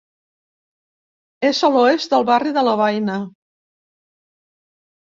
És a l'oest del barri de Lovaina.